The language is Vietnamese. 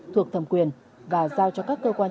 thuộc thầm quyền và giao cho các cơ quan